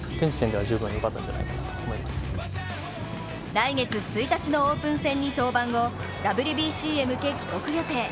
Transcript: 来月１日のオープン戦に登板後、ＷＢＣへ向け帰国予定。